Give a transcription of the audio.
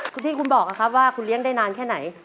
คุณพี่คุณบอกนะครับว่าคุณเลี้ยงได้นานแค่ไหน